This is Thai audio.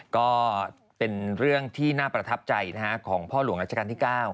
ก็เป็นเรื่องที่น่าประทับใจของพ่อหลวงราชการที่๙